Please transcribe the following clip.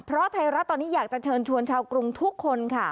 เพราะไทยรัฐตอนนี้อยากจะเชิญชวนชาวกรุงทุกคนค่ะ